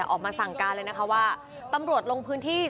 ออกมาสั่งการเลยนะคะว่าตำรวจลงพื้นที่